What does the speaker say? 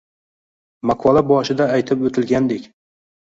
Maqola boshida aytib o’tilgandek